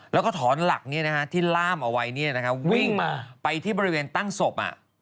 แล้วก็ถอนหลักนี่นะครับที่ล่ามเอาไว้นี่นะครับวิ่งไปที่บริเวณตั้งศพ